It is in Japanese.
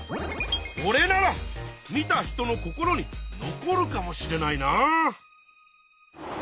これなら見た人の心に残るかもしれないな！